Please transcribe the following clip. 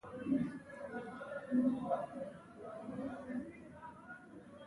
د ښو هدفونو لپاره استعمالولای شو.